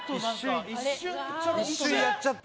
何か一瞬やっちゃった